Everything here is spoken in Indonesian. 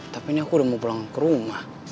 tapi ini aku udah mau pulang ke rumah